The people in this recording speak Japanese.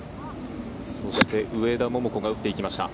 そして上田桃子が打っていきました。